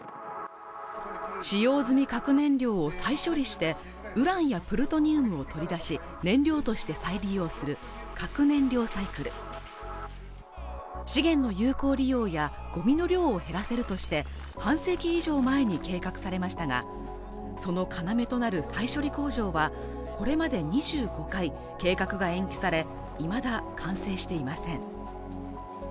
使用済み核燃料を再処理してウランやプルトニウムを取り出し燃料として再利用する核燃料サイクル資源の有効利用やごみの量を減らせるとして半世紀以上前に計画されましたがその要となる再処理工場はこれまで２５回計画が延期されいまだ完成していません